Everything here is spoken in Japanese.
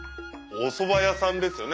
おそば屋さんですよね？